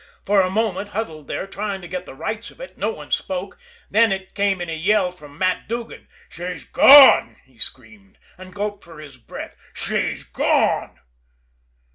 For a moment, huddled there, trying to get the rights of it, no one spoke then it came in a yell from Matt Duggan. "She's gone!" he screamed and gulped for his breath. "She's gone!"